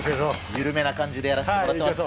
緩めな感じでやらせてもらってます。